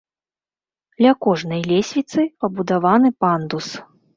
Ля кожнай лесвіцы пабудаваны пандус.